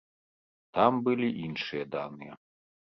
Там былі іншыя даныя.